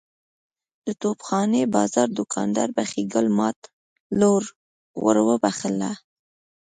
د توپ خانې بازار دوکاندار بخۍ ګل ماد لور ور وبخښله.